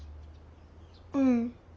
うん。